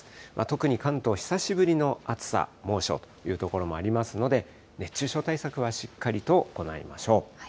特に関東、久しぶりの暑さ、猛暑という所もありますので、熱中症対策はしっかりと行いましょう。